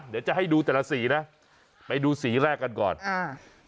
เดี๋ยวจะให้ดูแต่ละสีนะไปดูสีแรกกันก่อนอ่า